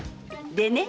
でね